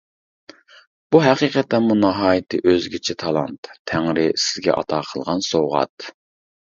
بۇ ھەقىقەتەنمۇ ناھايىتى ئۆزگىچە تالانت. تەڭرى سىزگە ئاتا قىلغان سوۋغات.